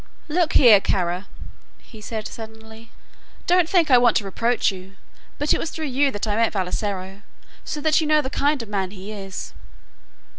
"Look here, Kara," he said, suddenly, "don't think I want to reproach you, but it was through you that I met Vassalaro so that you know the kind of man he is."